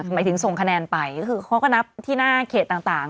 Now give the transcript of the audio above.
หมายถึงส่งคะแนนไปก็คือเขาก็นับที่หน้าเขตต่าง